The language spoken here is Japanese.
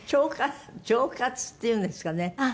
腸活っていうんですかね？